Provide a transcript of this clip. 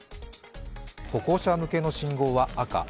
歩行者向けの信号は赤。